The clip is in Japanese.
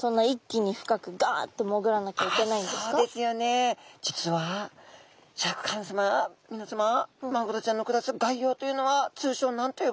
でもさかなクン実はシャーク香音さま皆さまマグロちゃんの暮らす外洋というのは通称何と呼ばれましたっけ。